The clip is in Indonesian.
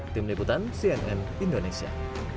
tim deputan cnn indonesia